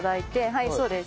はいそうです。